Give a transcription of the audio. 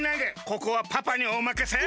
ここはパパにおまかせ！